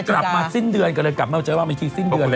พรุ่งกลับมาสิ้นเดือนก็เลยกลับมาเจอกันมาอีกทีสิ้นเดือนเลยฮะ